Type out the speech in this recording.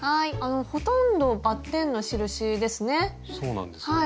ほとんどバッテンの印ですね。